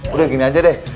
udah gini aja deh